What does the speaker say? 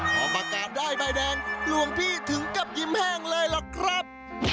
พอประกาศได้ใบแดงหลวงพี่ถึงกับยิ้มแห้งเลยล่ะครับ